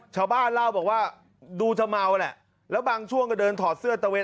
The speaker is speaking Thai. ชาวบ้านเล่าบอกว่าดูจะเมาแหละแล้วบางช่วงก็เดินถอดเสื้อตะเวน